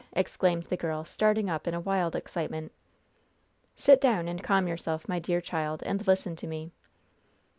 exclaimed the girl, starting up in a wild excitement. "Sit down and calm yourself, my dear child, and listen to me."